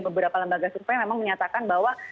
beberapa lembaga survei memang menyatakan bahwa